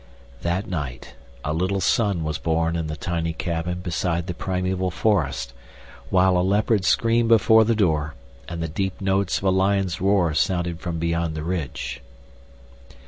That night a little son was born in the tiny cabin beside the primeval forest, while a leopard screamed before the door, and the deep notes of a lion's roar sounded from beyond the ridge.